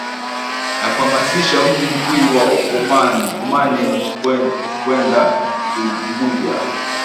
la kuhamisha mji mkuu wa Omani kwenda Unguja